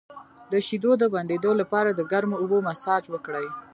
د شیدو د بندیدو لپاره د ګرمو اوبو مساج وکړئ